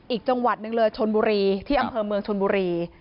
อีกจังหวัดหนึ่งเลยชนบุรีที่อำเภอเมืองชนบุรี